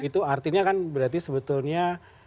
itu artinya kan berarti sebetulnya